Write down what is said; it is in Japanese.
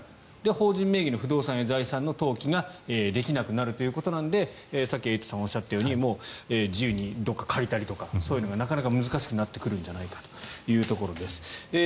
法人名義の不動産や財産の登記ができなくなるということなのでさっきエイトさんがおっしゃったように自由にどこかを借りたりとかそういうのが難しくなってくるんじゃないかというところです。